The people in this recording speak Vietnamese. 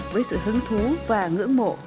với sự hứng thú và ngưỡng mộ